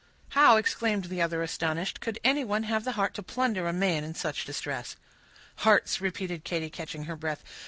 "How!" exclaimed the other, astonished, "could anyone have the heart to plunder a man in such distress?" "Hearts," repeated Katy, catching her breath.